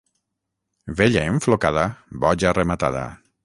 Vella enflocada, boja rematada.